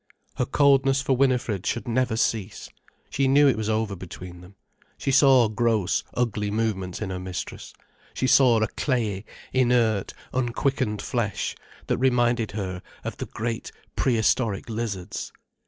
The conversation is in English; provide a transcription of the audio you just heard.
Her coldness for Winifred should never cease. She knew it was over between them. She saw gross, ugly movements in her mistress, she saw a clayey, inert, unquickened flesh, that reminded her of the great prehistoric lizards.